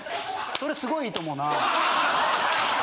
それすごい良いと思うな。